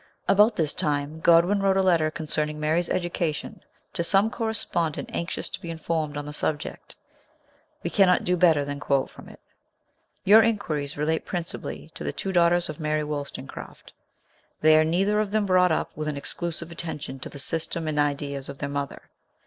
About this time Godwin wrote a letter concerning Mary's education to some correspondent anxious to be MARY AND SHELLEY. 61 informed on the subject. We cannot do better than quote from it : Your inquiries relate principally to the two daughters of Mary Wollstonecraft. They are neither of them brought up with an exclu sive attention to the system and ideas of their mother.